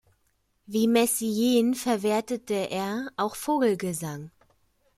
Wie Messiaen verwertete er auch Vogelgesang.